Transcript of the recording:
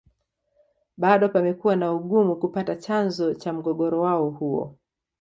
Bado pamekuwa na Ugumu kupata chanzo cha mgogoro wao huo